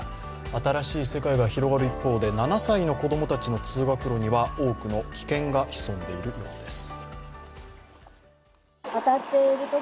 新しい世界が広がる一方で７歳の子供たちの通学路には多くの危険が潜んでいるようです。